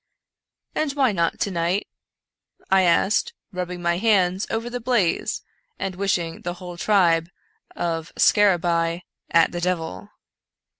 " And why not to night ?" I asked, rubbing my hands over the blaze, and wishing the whole tribe of scarabcei at the devil.